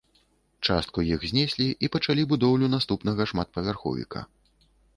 Частку іх знеслі і пачалі будоўлю наступнага шматпавярховіка.